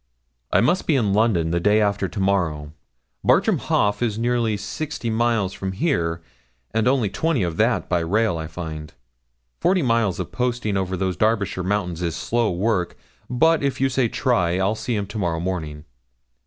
'I must be in London the day after to morrow. Bartram Haugh is nearly sixty miles from here, and only twenty of that by rail, I find. Forty miles of posting over those Derbyshire mountains is slow work; but if you say try, I'll see him to morrow morning.'